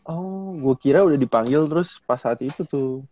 oh gue kira udah dipanggil terus pas saat itu tuh